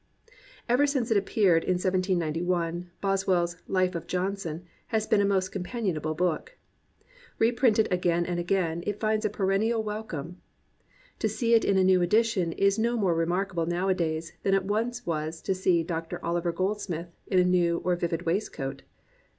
*' Ever since it appeared in 1791, Bos well's Life of Johnson has been a most companionable book. Re printed again and again, it finds a perennial wel come. To see it in a new edition is no more re markable nowadays than it once was to see Dr. OUver Goldsmith in a new and vivid waistcoat.